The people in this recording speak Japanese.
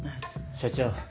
社長。